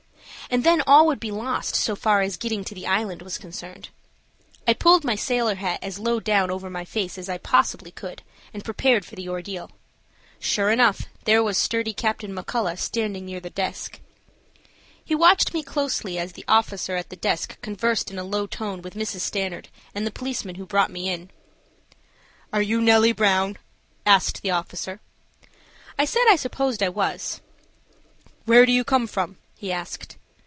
And then all would be lost so far as getting to the island was concerned. I pulled my sailor hat as low down over my face as I possibly could, and prepared for the ordeal. Sure enough there was sturdy Captain McCullagh standing near the desk. He watched me closely as the officer at the desk conversed in a low tone with Mrs. Stanard and the policeman who brought me. "Are you Nellie Brown?" asked the officer. I said I supposed I was. "Where do you come from?" he asked.